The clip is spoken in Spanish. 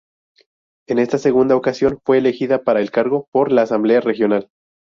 En esta segunda ocasión fue elegida para el cargo por la Asamblea Regional.